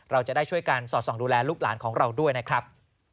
เราจะได้ช่วยกันสอดส่องดูแลลูกหลานของเราด้วยนะครับ